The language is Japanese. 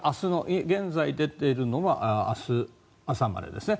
現在出ているのは明日朝までですね。